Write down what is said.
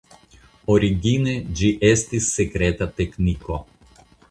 Origine ĝi estis sekreta tekniko.